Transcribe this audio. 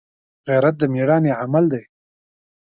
غیرت د مړانې عمل دی